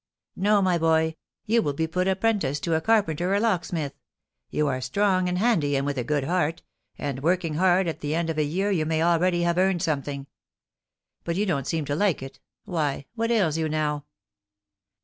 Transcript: "No, my boy, you will be put apprentice to a carpenter or locksmith. You are strong and handy, and with a good heart; and working hard, at the end of a year you may already have earned something. But you don't seem to like it: why, what ails you now?"